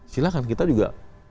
silahkan kita juga